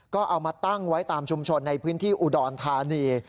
ก็เอามาตั้งไว้ตามชุมชนในพื้นที่อุดรธานี